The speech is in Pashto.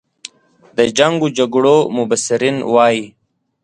د جنګ و جګړو مبصرین وایي.